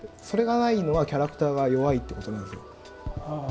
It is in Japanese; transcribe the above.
それがないのはキャラクターが弱いっていうことなんですよ。